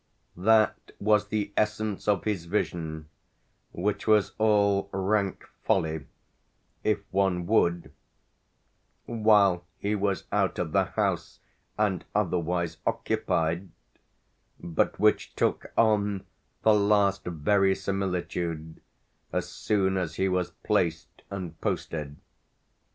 That was the essence of his vision which was all rank folly, if one would, while he was out of the house and otherwise occupied, but which took on the last verisimilitude as soon as he was placed and posted.